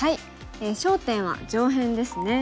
焦点は上辺ですね。